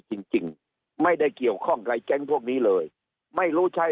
จริงจริงไม่ได้เกี่ยวข้องกับแก๊งพวกนี้เลยไม่รู้ใช้